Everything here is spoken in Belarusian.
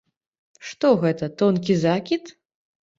Што гэта, тонкі закід?